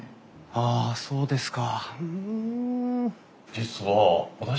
あっそうですか。